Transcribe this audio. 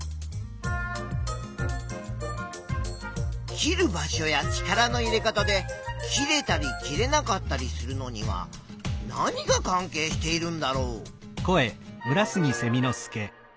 切る場所や力の入れ方で切れたり切れなかったりするのには何が関係しているんだろう？